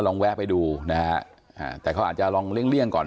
ต้องแวะไปดูนะฮะแต่เขาอาจจะลองเลี้ยงก่อน